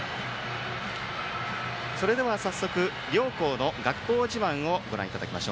それでは早速、両校の学校自慢をご覧いただきます。